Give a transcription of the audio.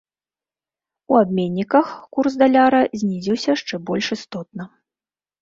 У абменніках курс даляра знізіўся шчэ больш істотна.